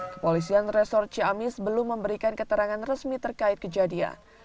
kepolisian resor ciamis belum memberikan keterangan resmi terkait kejadian